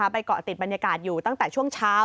เกาะติดบรรยากาศอยู่ตั้งแต่ช่วงเช้า